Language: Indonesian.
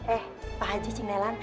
eh pak haji cing nelan